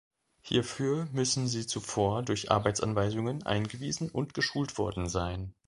Hierfür müssen sie zuvor durch Arbeitsanweisungen eingewiesen und geschult worden sein.